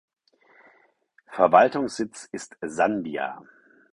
Verwaltungssitz ist Sandia.